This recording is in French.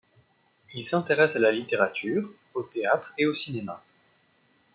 Il s'intéresse à la littérature, au théâtre et au cinéma.